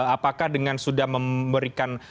apakah dengan sudah memberikan